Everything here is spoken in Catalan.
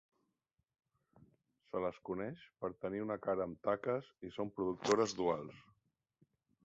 Se les coneix per tenir una cara amb taques i són productores duals.